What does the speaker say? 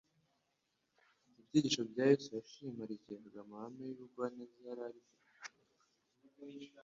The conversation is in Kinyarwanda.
Mu byigisho bya Yesu yashimarigiraga amahame y'ubugwaneza yarariduranaga